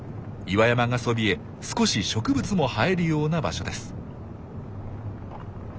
岩山がそびえ少し植物も生えるような場所です。